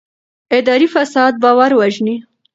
اداري فساد باور وژني